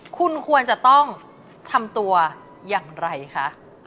คุณควรจะต้องทำตัวอย่างไรคะ